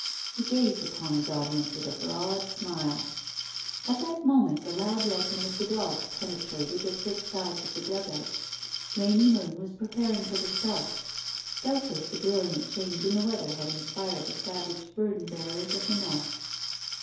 He gazed upon his audience with a broad smile. At that moment the loud yelping of the dogs penetrated the thick sides of the dugout. Rainy Moon was preparing for the start. Doubtless the brilliant change in the weather had inspired the savage burden bearers of the north.